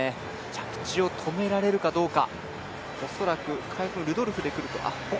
着地を止められるかどうか。